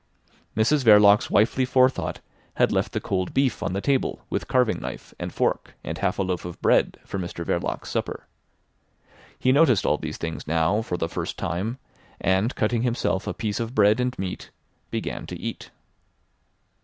Mrs Verloc's wifely forethought had left the cold beef on the table with carving knife and fork and half a loaf of bread for Mr Verloc's supper. He noticed all these things now for the first time, and cutting himself a piece of bread and meat, began to eat.